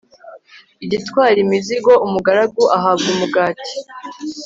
igatwara imizigo, umugaragu ahabwa umugati